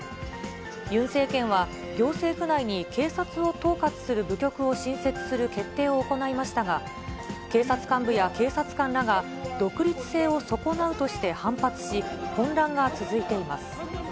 ユン政権は、行政府内に警察を統括する部局を新設する決定を行いましたが、警察幹部や警察官らが、独立性を損なうとして反発し、混乱が続いています。